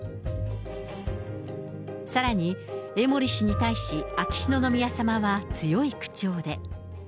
さらに、江森氏に対し、秋篠宮さまは強い口調で。